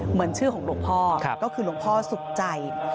เหมือนชื่อของหลวงพ่อก็คือหลวงพ่อสุขใจ